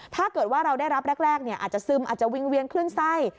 ถ้าเกิดว่าเราได้รับแรกอาจจะซึมอาจจะวิ่งเวียนคลื่นไส้